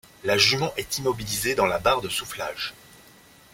La jument est immobilisée dans la barre de soufflage.